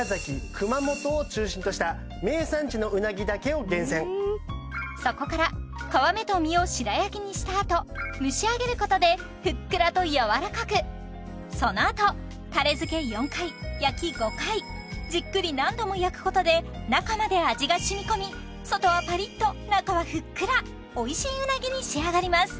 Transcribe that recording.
熊本を中心としたそこから皮目と身を白焼きにしたあと蒸し上げることでふっくらとやわらかくそのあとじっくり何度も焼くことで中まで味が染み込み外はパリッと中はふっくらおいしいうなぎに仕上がります